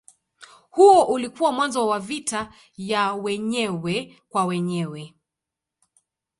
Huo ulikuwa mwanzo wa vita ya wenyewe kwa wenyewe.